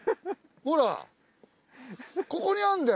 ほらここにあんだよ。